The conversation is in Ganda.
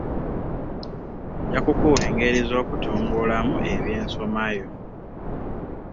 Nja kukuwa engeri z'okutumbulamu eby'ensomaayo.